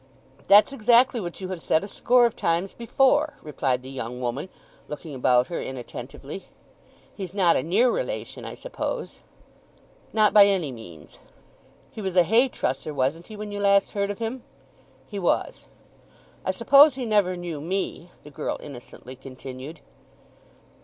"That's exactly what you have said a score of times before!" replied the young woman, looking about her inattentively. "He's not a near relation, I suppose?" "Not by any means." "He was a hay trusser, wasn't he, when you last heard of him? "He was." "I suppose he never knew me?" the girl innocently continued.